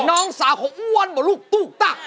น้องสาวเขาิ้วนเหล่าลูกตู้ตัก